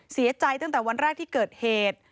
เสียใจตั้งแต่วันแรกที่เกิดเหตุ